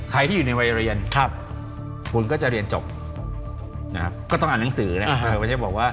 ใครที่อยู่ในวัยเรียนคุณก็จะเรียนจบก็ต้องอ่านหนังสือนะ